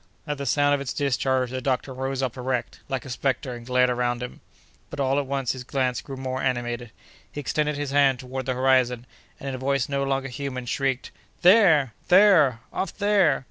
At the sound of its discharge, the doctor rose up erect, like a spectre, and glared around him. But all at once his glance grew more animated; he extended his hand toward the horizon, and in a voice no longer human shrieked: "There! there—off there!"